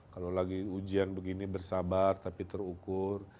kalau lagi ujian begini bersabar tapi terukur